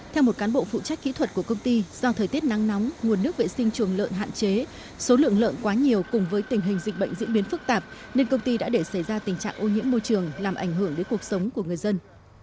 theo một cán bộ phụ trách kỹ thuật của công ty do thời tiết nắng nóng nguồn nước vệ sinh chuồng lợn hạn chế số lượng lợn quá nhiều cùng với tình hình dịch bệnh diễn biến phức tạp nên công ty đã để xảy ra tình trạng ô nhiễm môi trường làm ảnh hưởng đến cuộc sống của người dân